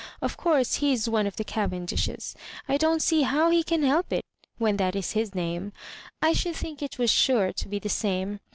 Of course he is one of the Cavendishes. I don*t see how he can help it, when that is his nam a I should think it was sure to be the same.